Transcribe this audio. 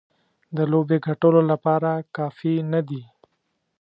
د لوبې ګټلو لپاره کافي نه دي.